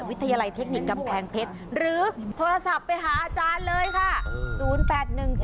วิทยาลัยเทคนิคกำแพงเพชรหรือโทรศัพท์ไปหาอาจารย์เลยค่ะ